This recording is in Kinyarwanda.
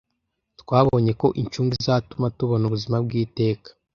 twabonye ko incungu izatuma tubona ubuzima bw iteka